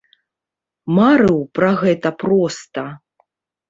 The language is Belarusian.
Марыў пра гэта проста!